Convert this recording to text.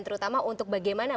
terutama untuk bagaimana